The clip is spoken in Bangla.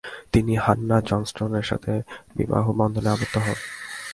তিনি হান্নাহ জনস্টনের সাথে বিবাহ বন্ধনে আবদ্ধ হন।